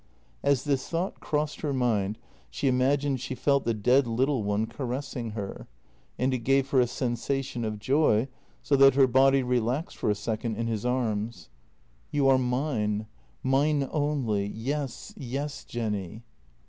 As this thought crossed her mind she imagined she felt the dead little one caressing her, and it gave her a sensation of joy, so that her body relaxed for a second in his arms. JENNY 290 "You are mine — mine only — yes, yes, Jenny!"